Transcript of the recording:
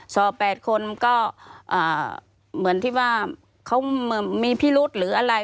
สอบ๘คนก็เหมือนที่ว่าเขามีพิรุธหรืออะไร